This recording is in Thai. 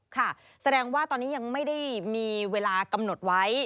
ค่ะแสดงว่าตอนนี้ยังไม่ได้มีเวลากำหนดไว้